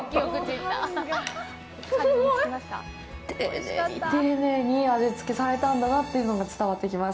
丁寧に丁寧に味付けされたんだなっていうのが伝わってきます。